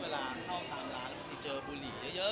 ไปห้องห้องตามร้านที่เจอบุหรี่เยอะ